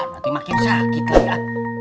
nanti makin sakit ya